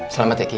selamat ya kiki